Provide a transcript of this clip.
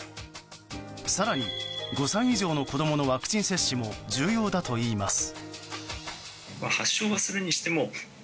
更に、５歳以上の子供のワクチン接種も重要だといいます。